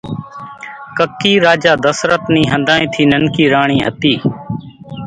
ڪڪِي راجا ڌسرت نِي ۿنڌانئين ٿي ننڪي راڻي ھتي